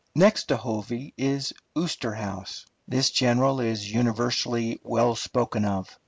Next to Hovey is Osterhaus. This general is universally well spoken of.